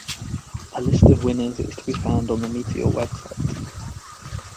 A list of winners is to be found on the Meteor website.